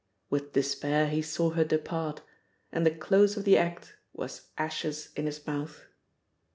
With despair he saw her depart; and the close of the act was ashes in his mouth.